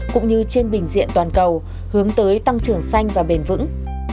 cũng như trên bình diện toàn cầu hướng tới tăng trưởng xanh và bền vững